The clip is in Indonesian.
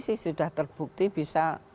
sudah terbukti bisa